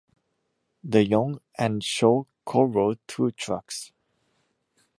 DeYoung and Shaw co-wrote two tracks.